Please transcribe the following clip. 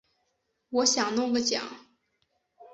我想弄个奖